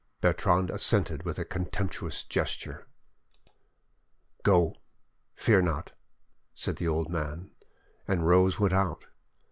Bertrande assented with a contemptuous gesture. "Go, fear not," said the old man, and Rose went out.